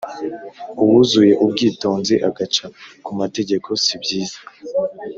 uwuzuye ubwitonzi agaca ku mategeko sibyiza